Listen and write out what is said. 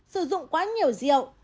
sử dụng quá nhiều rượu